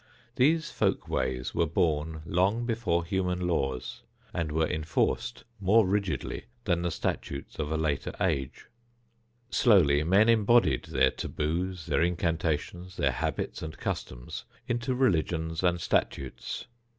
These "folk ways" were born long before human laws and were enforced more rigidly than the statutes of a later age. Slowly men embodied their "taboos," their incantations, their habits and customs into religions and statutes.